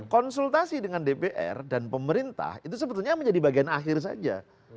konsultasi dengan dpr dan pemerintah itu sebetulnya menjadi bagian akhir saja